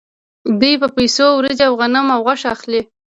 دوی په پیسو وریجې او غنم او غوښه اخلي